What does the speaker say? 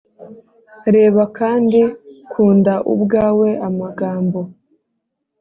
reba kandi: kunda ubwawe amagambo